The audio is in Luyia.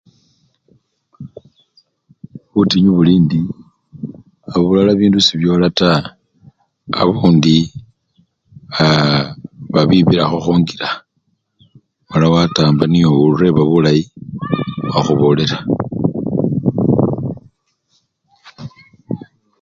Butinyu buli indi abulala bindu sebyola taa, abundi babibilakho khungila mala watamba niyo oreba bulayi wakhubolela.